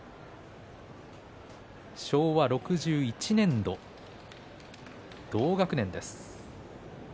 昭和６１年度、同学年です。